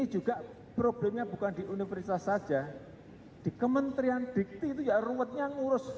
ini juga problemnya bukan di universitas saja di kementrian dikti itu kan ruwetnya ngurus